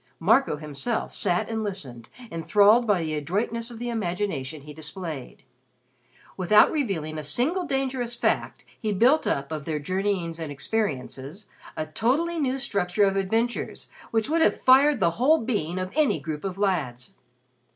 Marco himself sat and listened, enthralled by the adroitness of the imagination he displayed. Without revealing a single dangerous fact he built up, of their journeyings and experiences, a totally new structure of adventures which would have fired the whole being of any group of lads.